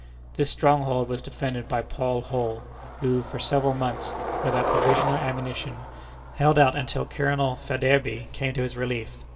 This stronghold was defended by Paul Holl, who, for several months, without provisions or ammunition, held out until Colonel Faidherbe came to his relief.